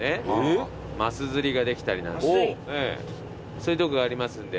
そういうとこがありますんで。